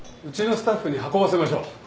うちのスタッフに運ばせましょう。